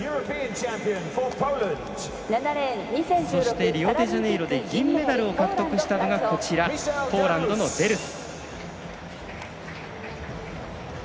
そしてリオデジャネイロで銀メダルを獲得したのがポーランドのデルス。